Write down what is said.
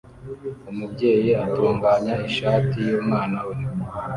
Umubyeyi atunganya ishati yumwana we